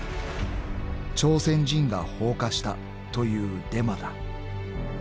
［朝鮮人が放火したというデマだ］